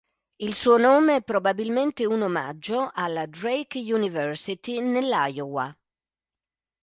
Il suo nome è probabilmente un omaggio alla Drake University, nello Iowa.